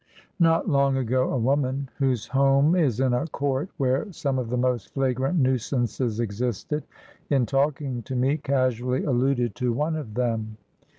Not long ago a woman, whose home is in a court where some of the most flagrant nuisances existed, in talking to me, casually alluded to one of them.